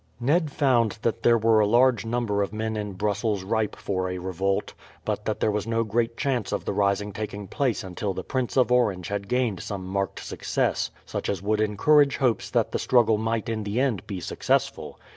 Ned found that there were a large number of men in Brussels ripe for a revolt, but that there was no great chance of the rising taking place until the Prince of Orange had gained some marked success, such as would encourage hopes that the struggle might in the end be successful.